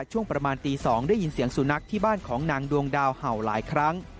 ช่วงประมาณตี๒ได้ยินเสียงสุนัขที่บ้านของนางดวงดาวเห่าหลายครั้ง